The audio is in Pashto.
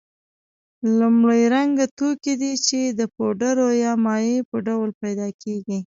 لومړی رنګه توکي دي چې د پوډرو یا مایع په ډول پیدا کیږي.